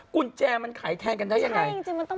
กุญแจมันขายแทนกันได้ยังไง